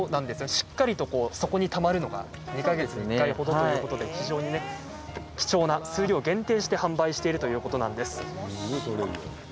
しっかり底にたまるのが２か月に１回ほどということで非常に貴重な、数量限定して販売しているということなんです。